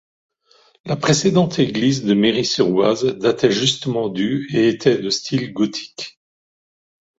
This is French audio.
La précédente église de Méry-sur-Oise datait justement du et était de style gothique.